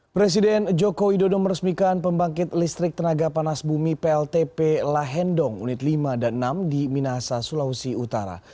presiden joko widodo meresmikan pembangkit listrik tenaga panas bumi pltp lahendong unit lima dan enam di minasa sulawesi utara